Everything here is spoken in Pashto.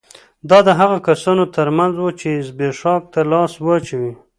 دا د هغو کسانو ترمنځ وو چې زبېښاک ته لاس واچوي